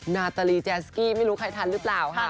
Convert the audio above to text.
นาตาลีแจสกี้ไม่รู้ใครทันหรือเปล่าค่ะ